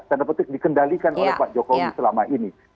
tanda petik dikendalikan oleh pak jokowi selama ini